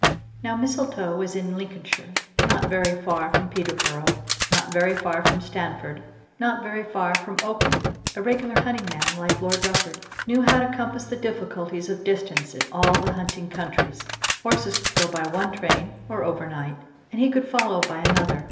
Now Mistletoe was in Lincolnshire, not very far from Peterborough, not very far from Stamford, not very far from Oakham. A regular hunting man like Lord Rufford knew how to compass the difficulties of distance in all hunting countries. Horses could go by one train or overnight, and he could follow by another.